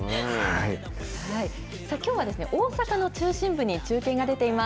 きょうは大阪の中心部に中継が出ています。